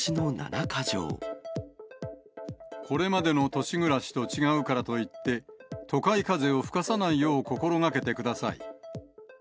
これまでの都市暮らしと違うからといって、都会風を吹かさないよう心がけてください。